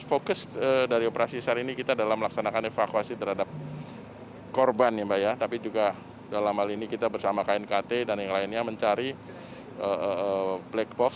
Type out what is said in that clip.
fokus dari operasi sar ini kita dalam melaksanakan evakuasi terhadap korban ya mbak ya tapi juga dalam hal ini kita bersama knkt dan yang lainnya mencari black box